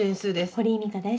堀井美香です。